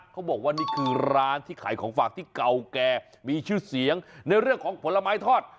เขาบอกว่านี่คือร้านที่ขายของฝากที่เก่าแก่มีชื่อเสียงในเรื่องของผลไม้ทอด